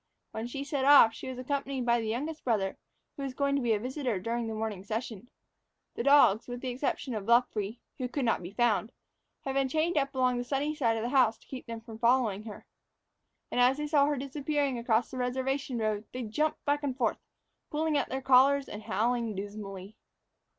When she set off, she was accompanied by the youngest brother, who was going to be a visitor during the morning session. The dogs, with the exception of Luffree (who could not be found), had been chained up along the sunny side of the house to keep them from following her. And as they saw her disappearing across the reservation road, they jumped back and forth, pulling at their collars and howling dismally.